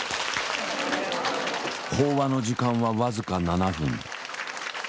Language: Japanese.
法話の時間は僅か７分。